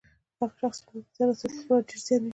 هغه شخص چې نورو ته زیان رسوي، پخپله ډیر زیان ويني